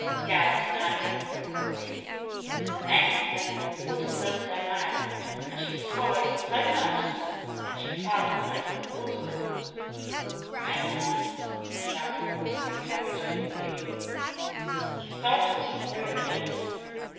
yelled Nan, exultantly; and the next moment water filled her mouth and she swallowed so much that she felt almost water logged. "Hang on!" shouted Walter, encouragingly. He started the screw again.